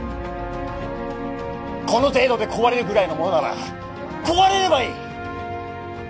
この程度で壊れるぐらいのものなら壊れればいい。